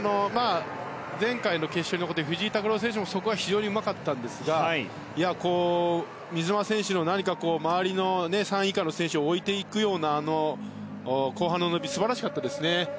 前回の決勝に残った藤井拓郎選手もそこは非常にうまかったんですが水沼選手の何かこう周りの３位以下の選手を置いていくような後半の伸びが素晴らしかったですね。